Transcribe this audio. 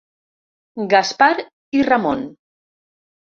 Gaspar i Ramon.